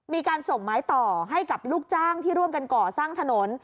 มีการส่งไม้ต่อให้กับลูกจ้างที่ร่วมกันก่อสร้างถนน